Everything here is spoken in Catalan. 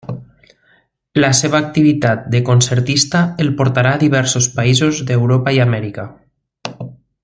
La seva activitat de concertista el portà a diversos països d'Europa i Amèrica.